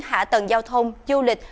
hạ tầng giao thông du lịch